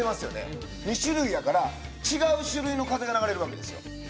２種類やから違う種類の風が流れるわけですよ。